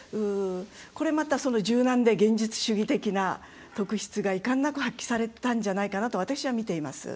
これまた、柔軟で現実主義的な特質が遺憾なく発揮されたんじゃないかなと、私は見ています。